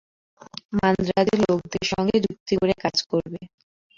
মান্দ্রাজের লোকদের সঙ্গে যুক্তি করে কাজ করবে।